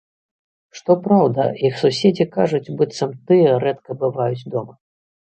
Што праўда, іх суседзі кажуць, быццам тыя рэдка бываюць дома.